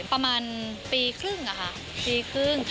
ประมาณปีครึ่งอะค่ะปีครึ่ง